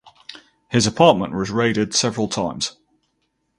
His apartment was raided several times.